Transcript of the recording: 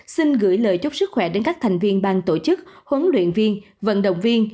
xin gửi lời chúc sức khỏe đến các thành viên ban tổ chức huấn luyện viên vận động viên